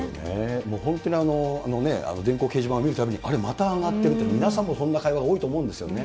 本当に、電光掲示板を見るたびに、あれ、また上がっていると、皆さんもそんな会話、多いと思うんですよね。